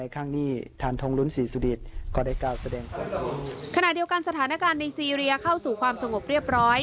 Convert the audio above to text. ขณะเดียวกันสถานการณ์ในซีเรียเข้าสู่ความสงบเรียบร้อย